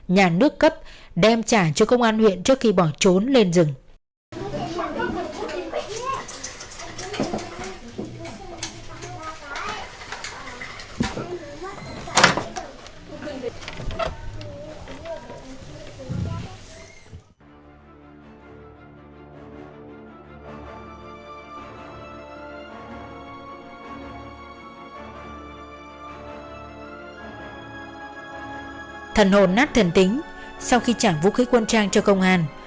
nhà nước cấp đem trả cho công an huyện trước khi bỏ trốn